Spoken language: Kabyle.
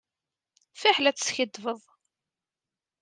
Fiḥel ad teskiddbeḍ.